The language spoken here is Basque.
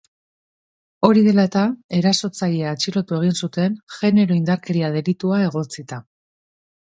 Hori dela eta, erasotzailea atxilotu egin zuten, genero indarkeria delitua egotzita.